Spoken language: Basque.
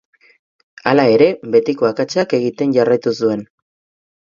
Hala ere, betiko akatsak egiten jarraitu zuen.